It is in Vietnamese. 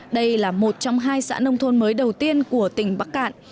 đây là một trong hai xã nông thôn mới đầu tiên của tỉnh bắc cạn